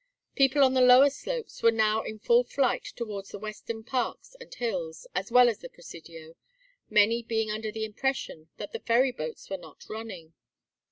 People on the lower slopes were now in full flight towards the western parks and hills, as well as the Presidio, many being under the impression that the ferry boats were not running.